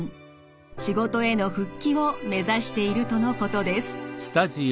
仕事への復帰を目指しているとのことです。